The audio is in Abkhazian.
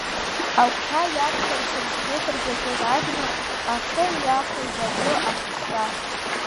Агәҭа иақәшәарц сантиметр заҵәык агны ахы иахәыз агәы ахәшәтәра…